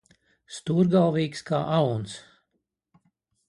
Stūrgalvīgs kā auns.